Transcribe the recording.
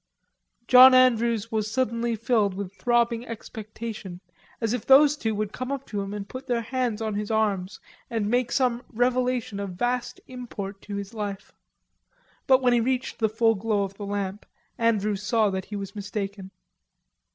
John Andrews was suddenly filled with throbbing expectation, as if those two would come up to him and put their hands on his arms and make some revelation of vast import to his life. But when they reached the full glow of the lamp, Andrews saw that he was mistaken.